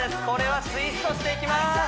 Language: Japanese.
これはツイストしていきます